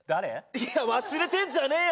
いや忘れてんじゃねえよ！